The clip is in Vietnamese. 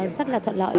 rất là thuận lợi